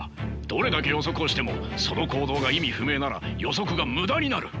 どれだけ予測をしてもその行動が意味不明なら予測が無駄になる。